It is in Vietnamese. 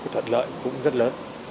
thuận lợi cũng rất lớn